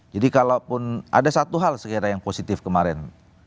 jadi kalaupun ada satu hal saya kira yang positif kemarin